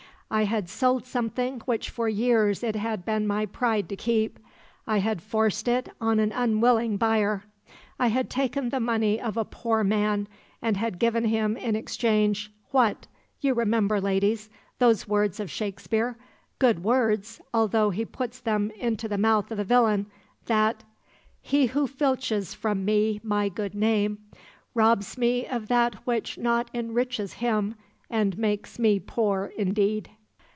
I had sold something which for years it had been my pride to keep. I had forced it on an unwilling buyer. I had taken the money of a poor man, and had given him in exchange what? You remember, ladies, those words of Shakespeare good words, although he puts them into the mouth of a villain that: "'... He who filches from me my good name Robs me of that which not enriches him And makes me poor indeed.'